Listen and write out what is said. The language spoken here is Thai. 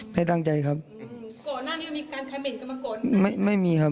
ไม่ครับ